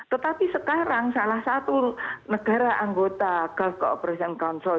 tetapi sekarang salah satu negara anggota gulf cooperation council